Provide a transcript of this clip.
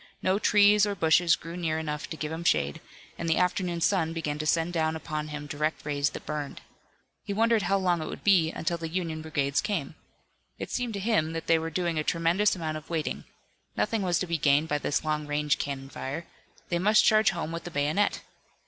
No trees or bushes grew near enough to give him shade, and the afternoon sun began to send down upon him direct rays that burned. He wondered how long it would be until the Union brigades came. It seemed to him that they were doing a tremendous amount of waiting. Nothing was to be gained by this long range cannon fire. They must charge home with the bayonet.